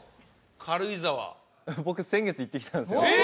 軽井沢僕先月行ってきたんですよええっ？